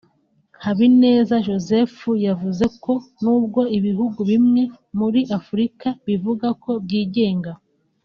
Habineza Joseph yavuze ko n’ubwo ibihugu bimwe muri Afurika bivuga ko byigenga